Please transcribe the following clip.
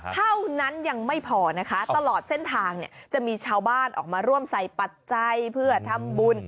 เท่านั้นยังไม่พอนะคะตลอดเส้นทางเนี่ยจะมีชาวบ้านออกมาร่วมใส่ปัจจัยเพื่อทำบุญ